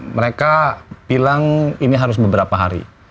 mereka bilang ini harus beberapa hari